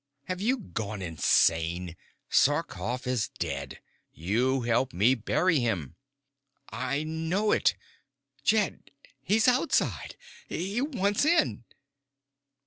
_" "Have you gone insane? Sarkoff is dead. You helped me bury him." "I know it. Jed, he's outside. He wants in."